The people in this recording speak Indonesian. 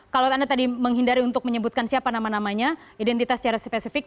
kalau anda tadi menghindari untuk menyebutkan siapa nama namanya identitas secara spesifik